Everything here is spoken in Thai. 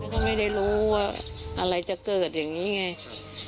ก็ไม่ได้รู้ว่าอะไรจะเกิดอย่างนี้ไง